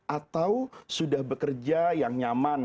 atau sudah bekerja yang nyaman